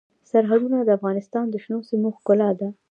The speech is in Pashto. سرحدونه د افغانستان د شنو سیمو ښکلا ده.